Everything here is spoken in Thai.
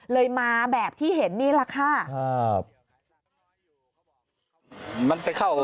มาแบบที่เห็นนี่แหละค่ะ